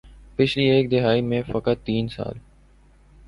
پچھلی ایک دہائی میں فقط تین سال